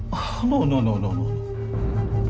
tidak tidak tidak